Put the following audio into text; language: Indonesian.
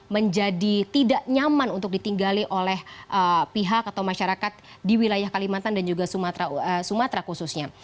menjadi tidak nyaman untuk ditinggali oleh pihak atau masyarakat di wilayah kalimantan dan juga sumatera khususnya